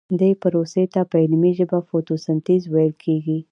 دې پروسې ته په علمي ژبه فتوسنتیز ویل کیږي